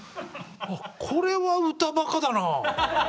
これは歌バカだなあ。